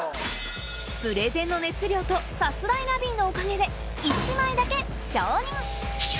プレゼンの熱量とさすらいラビーのおかげで１枚だけ承認